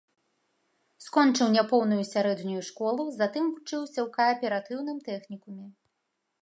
Скончыў няпоўную сярэднюю школу, затым вучыўся ў кааператыўным тэхнікуме.